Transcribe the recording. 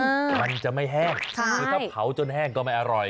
คือมันจะไม่แห้งคือถ้าเผาจนแห้งก็ไม่อร่อย